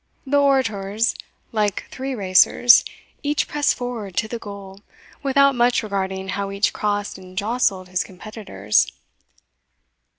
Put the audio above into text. The orators, like three racers, each pressed forward to the goal, without much regarding how each crossed and jostled his competitors.